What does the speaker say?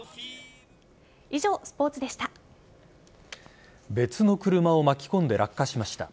以上、スポーツでした。